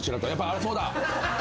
あれそうだ。